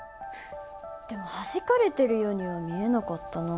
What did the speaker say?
でもはじかれてるようには見えなかったな。